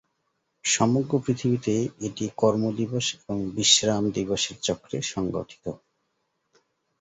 সমগ্র পৃথিবীতে এটি কর্ম-দিবস এবং বিশ্রাম-দিবসের চক্রে সংগঠিত।